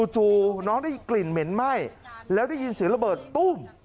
จู่น้องได้กลิ่นเหม็นไหม้แล้วได้ยินเสียงระเบิดตุ้ม